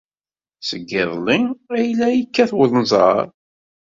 Seg yiḍelli ay la yekkat wenẓar.